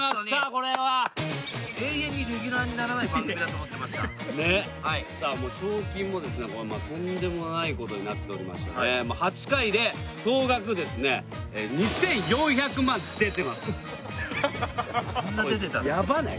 これは永遠にレギュラーにならない番組だと思ってました賞金もですねとんでもないことになっておりましてね８回でそんな出てたんだヤバない？